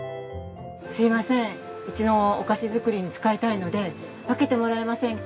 すいませんうちのお菓子作りに使いたいので分けてもらえませんか？